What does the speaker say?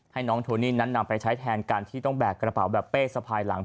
ให้น้องโทนี่นั้นนำไปใช้แทนการที่ต้องแบกกระเป๋าแบบเป้สะพายหลัง